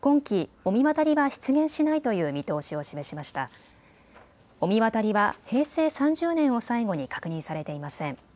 御神渡りは平成３０年を最後に確認されていません。